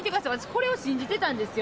これを信じてたんですよ。